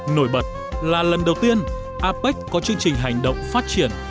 nổi bật là lần đầu tiên apec có chương trình hành động phát triển